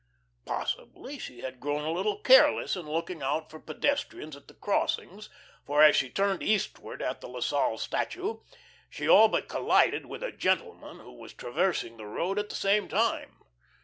Possibly she had grown a little careless in looking out for pedestrians at the crossings, for as she turned eastward at the La Salle statue, she all but collided with a gentleman who was traversing the road at the same time.